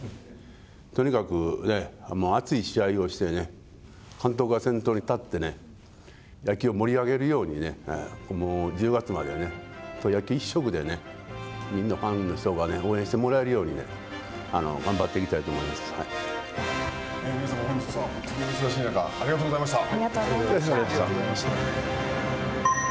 とにかくね、熱い試合をしてね監督が先頭に立ってね、野球を盛り上げるようにね、１０月までね、野球一色でね、みんなファンの人が応援してもらえるように、あの、頑張っていき皆様、本日は本当にお忙しい中ありがとうございました。